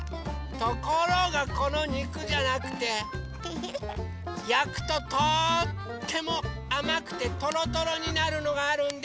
ところがこのにくじゃなくてやくととってもあまくてトロトロになるのがあるんです！